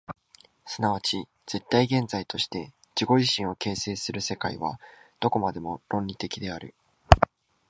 即ち絶対現在として自己自身を形成する世界は、どこまでも論理的である。